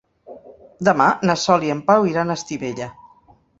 Demà na Sol i en Pau iran a Estivella.